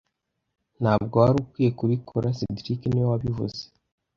Ntabwo wari ukwiye kubikora cedric niwe wabivuze